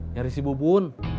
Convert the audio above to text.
nyari si bubun